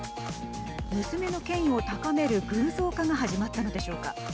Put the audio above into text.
娘の権威を高める偶像化が始まったのでしょうか。